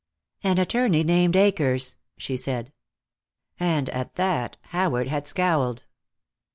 "An attorney named Akers," she said. And at that Howard had scowled.